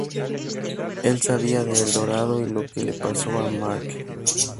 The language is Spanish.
Él sabía de El Dorado y lo que le pasó a Mark.